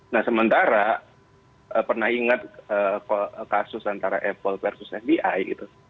nah sementara pernah ingat kasus antara apple versus fbi